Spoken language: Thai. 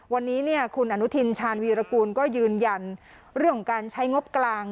วันนี้คุณอนุทินชาญวีรกูลก็ยืนยันเรื่องของการใช้งบกลาง